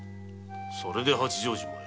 それで八丈島へ。